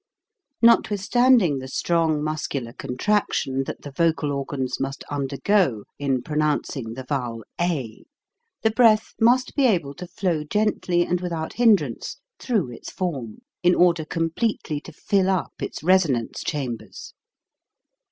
Notwithstanding the strong muscular con traction that the vocal organs must undergo in pronouncing the vowel a, the breath must be able to flow gently and without hindrance through its form, in order completely to fill up its resonance chambers.